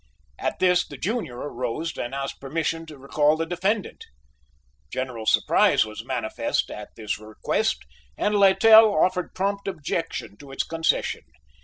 At this the junior arose and asked permission to recall the defendant. General surprise was manifest at this request, and Littell offered prompt objection to its concession.